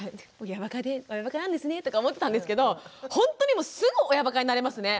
「親ばかなんですね」とか思ってたんですけどほんとにすぐ親ばかになれますね。